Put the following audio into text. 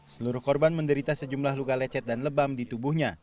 seluruh korban menderita sejumlah luka lecet dan lebam di tubuhnya